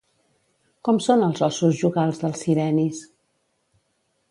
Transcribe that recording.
Com són els ossos jugals dels sirenis?